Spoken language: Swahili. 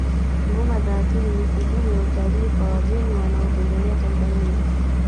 ngoma za asili ni sehemu ya utalii kwa wageni wanaotembelea tanzania